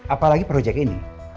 apalagi proyek ini